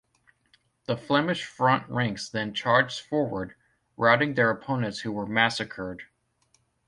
The Flemish front ranks then charged forward, routing their opponents who were massacred.